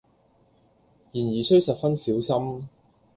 然而須十分小心。